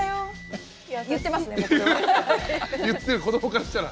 言ってる子どもからしたら。